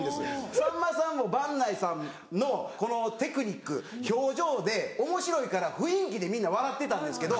さんまさんも伴内さんのこのテクニック表情でおもしろいから雰囲気でみんな笑ってたんですけど。